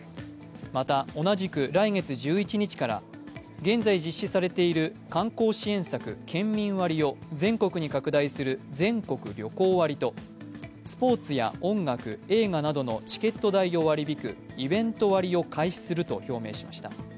また同じく来月１１日から、現在実施されている観光支援策、県民割を全国に拡大する全国旅行割とスポーツや音楽、映画などのチケット代を割り引くイベント割を開始すると表明しました。